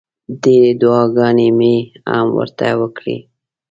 ډېرې دوعاګانې مې هم ورته وکړې.